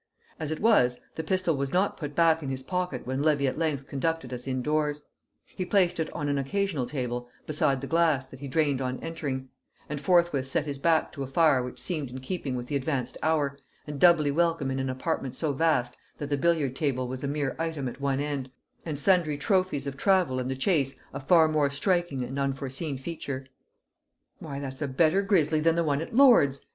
As it was the pistol was not put back in his pocket when Levy at length conducted us indoors; he placed it on an occasional table beside the glass that he drained on entering; and forthwith set his back to a fire which seemed in keeping with the advanced hour, and doubly welcome in an apartment so vast that the billiard table was a mere item at one end, and sundry trophies of travel and the chase a far more striking and unforeseen feature. "Why, that's a better grisly than the one at Lord's!"